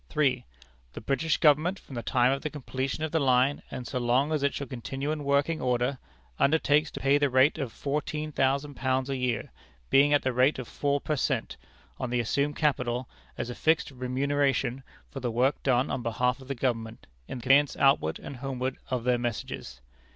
"3. The British Government, from the time of the completion of the line, and so long as it shall continue in working order, undertakes to pay at the rate of fourteen thousand pounds a year, being at the rate of four per cent. on the assumed capital, as a fixed remuneration for the work done on behalf of the Government, in the conveyance outward and homeward of their messages.